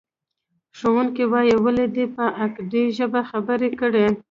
ښوونکی وایي، ولې دې په اکدي ژبه خبرې کړې؟